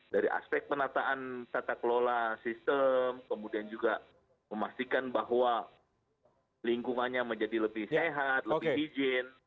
dari aspek penataan tata kelola sistem kemudian juga memastikan bahwa lingkungannya menjadi lebih sehat lebih hijin